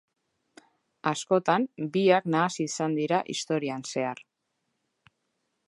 Askotan, biak nahasi izan dira historian zehar.